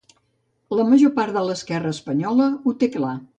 La major part de l'esquerra espanyola ho té clar.